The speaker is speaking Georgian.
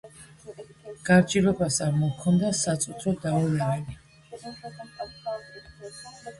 გარჯილობასა მოჰქონდა საწუთრო დაულეველი